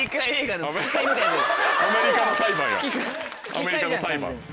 アメリカの裁判や。